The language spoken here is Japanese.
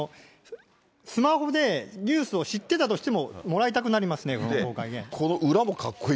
スマホでニュースを知ってたとしても、もらいたくなりますね、この号外ね。